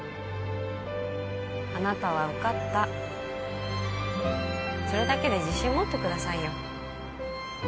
あなたは受かったそれだけで自信持ってくださいよ